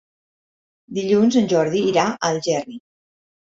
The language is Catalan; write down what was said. Dilluns en Jordi irà a Algerri.